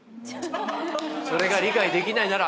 それが理解できないなら。